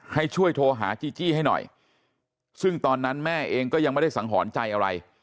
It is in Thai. ให้ช่วยโทรหาจีจี้ให้หน่อยซึ่งตอนนั้นแม่เองก็ยังไม่ได้สังหรณ์ใจอะไร